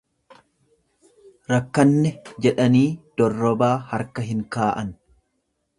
Rakkanne jedhanii dorrobaa harka hin kaa'an.